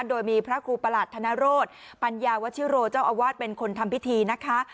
โดยมีพระครูประหลัดธนโรธปัญญาวชิโรเจ้าอาวาสเป็นคนทำพิธีนะคะ